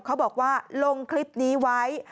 เขาบอกว่าลงคลิปนี้ไว้